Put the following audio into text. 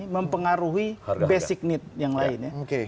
mempengaruhi basic need yang lain ya